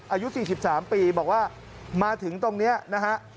อายุ๔๓ปีบอกว่ามาถึงตรงนี้นะฮะ